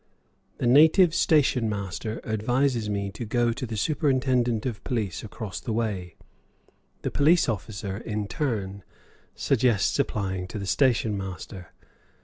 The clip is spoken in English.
The native station master advises me to go to the superintendent of police across the way; the police officer, in turn, suggests applying to the station master.